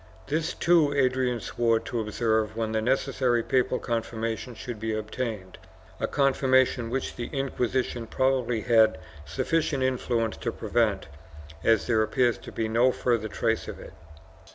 This, too, Adrian swore to observe when the necessary papal confirmation should be obtained — a confirmation which the Inquisition probably had sufficient influence to prevent, as there appears to be no further trace of it.